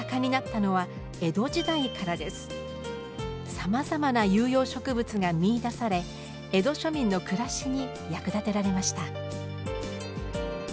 さまざまな有用植物が見いだされ江戸庶民の暮らしに役立てられました。